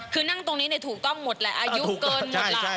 คือนั่งตรงนี้ถูกต้องหมดแหละอายุเกินหมดล่ะ